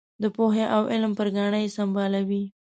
د پوهې او علم پر ګاڼه یې سمبالوي.